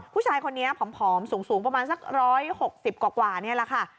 ผู้ชายคนนี้ผอมสูงประมาณสัก๑๖๐กว่านี่แหละค่ะ